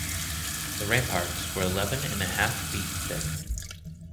The ramparts were eleven and a half feet thick.